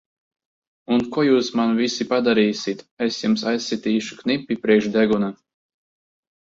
Un ko jūs man visi padarīsit! Es jums aizsitīšu knipi priekš deguna!